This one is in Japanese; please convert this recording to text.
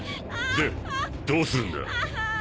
でどうするんだ？